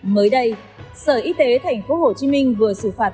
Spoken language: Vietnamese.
mới đây sở y tế tp hcm vừa xử phạt